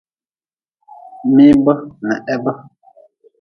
Miibe n hebe.